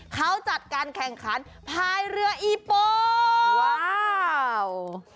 เขาจัดการแข่งขันภายเรืออีโป